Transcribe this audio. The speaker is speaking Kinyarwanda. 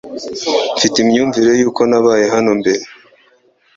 Mfite imyumvire yuko nabaye hano mbere.